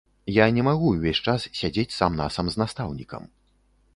Я не магу ўвесь час сядзець сам-насам з настаўнікам.